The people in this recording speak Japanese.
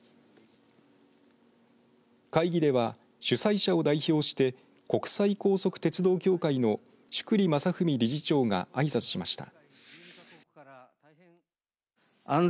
会議では主催者を代表して国際高速鉄道協会の宿利正史理事長があいさつしました。